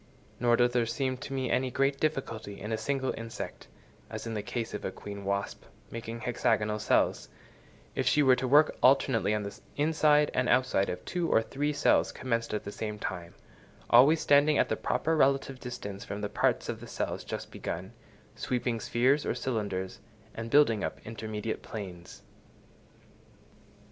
Nor does there seem to me any great difficulty in a single insect (as in the case of a queen wasp) making hexagonal cells, if she were to work alternately on the inside and outside of two or three cells commenced at the same time, always standing at the proper relative distance from the parts of the cells just begun, sweeping spheres or cylinders, and building up intermediate planes.